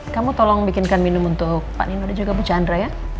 kamu tolong bikinkan minum untuk pak nino dan juga bu chandra ya